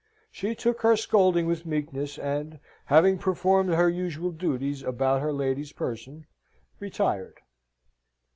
She took her scolding with meekness, and, having performed her usual duties about her lady's person, retired.